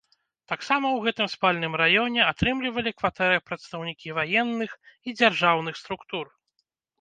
Таксама ў гэтым спальным раёне атрымлівалі кватэры прадстаўнікі ваенных і дзяржаўных структур.